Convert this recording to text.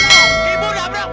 iya sebentar pak